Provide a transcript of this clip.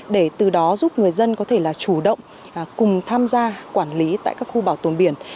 để từ đó giúp người dân có thể là chủ động cùng tham gia quản lý tại các khu bảo tồn biển